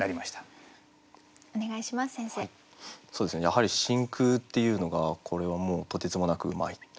やはり「真空」っていうのがこれはもうとてつもなくうまい。